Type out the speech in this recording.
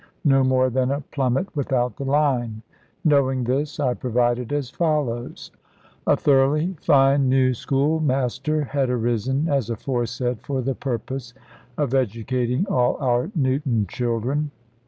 No more than a plummet without the line. Knowing this, I provided as follows. A thoroughly fine new schoolmaster had arisen, as aforesaid, for the purpose of educating all our Newton children.